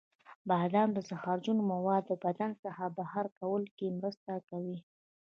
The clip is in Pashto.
بادام د زهرجنو موادو د بدن څخه بهر کولو کې مرسته کوي.